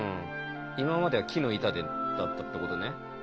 今までは木の板だったってことね。